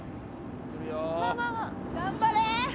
頑張れ！